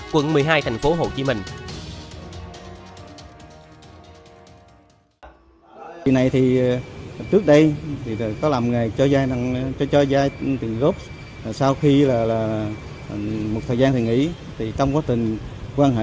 quận một mươi hai thành phố hồ chí minh